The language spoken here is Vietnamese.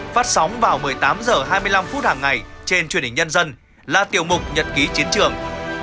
phát sóng vào một mươi tám h hai mươi năm phút hàng ngày trên truyền hình nhân dân là tiểu mục nhật ký chiến trường